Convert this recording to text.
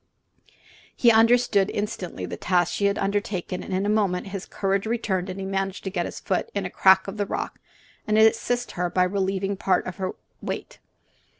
He understood instantly the task she had undertaken, and in a moment his courage returned and he managed to get his foot in a crack of the rock and assist her by relieving her of part of his weight.